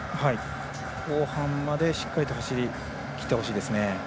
後半までしっかり走り切ってほしいですね。